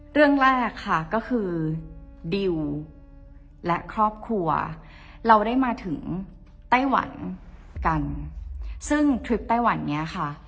เรื่องแรกค่ะก็คือดิวและครอบครัวเราได้มาถึงไต้หวันกันซึ่งทริปไต้หวันเนี้ยค่ะ